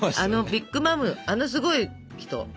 あのビッグ・マムあのすごい人。